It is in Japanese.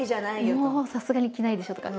もうさすがに着ないでしょとか。